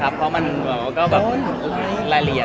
ความคลุกก็จะมีปัญหา